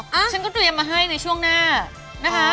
ใช่หรอฉันก็จะเตรียมมาให้ในช่วงหน้านะคะ